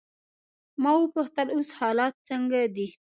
ما وپوښتل: اوس حالات څنګه دي؟